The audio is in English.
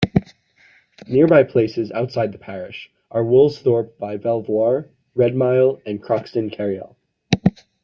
Nearby places outside the parish are Woolsthorpe by Belvoir, Redmile, and Croxton Kerrial.